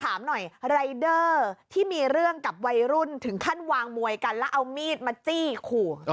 ถามหน่อยรายเดอร์ที่มีเรื่องกับวัยรุ่นถึงขั้นวางมวยกันแล้วเอามีดมาจี้ขู่